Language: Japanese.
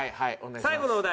最後のお題